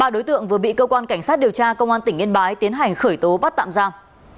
ba đối tượng vừa bị cơ quan cảnh sát điều tra công an tỉnh yên bái tiến hành khởi tố bắt tạm giam